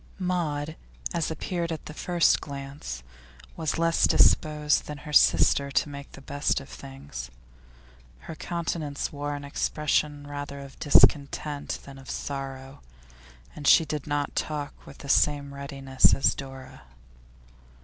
Maud, as appeared at the first glance, was less disposed than her sister to make the best of things; her countenance wore an expression rather of discontent than of sorrow, and she did not talk with the same readiness as Dora.